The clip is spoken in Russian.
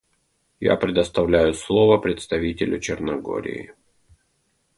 Я предоставляю слово представителю Черногории.